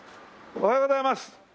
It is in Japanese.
おはようございます。